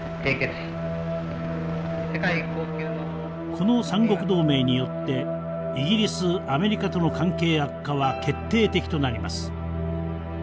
この三国同盟によってイギリスアメリカとの関係悪化は決定的となります。